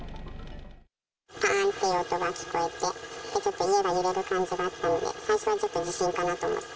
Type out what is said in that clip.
ぱーんという音が聞こえて、ちょっと家が揺れる感じがあったので、最初はちょっと地震かなと思って。